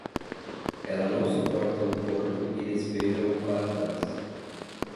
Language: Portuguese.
Ela não suporta o corpo e despeja-o para trás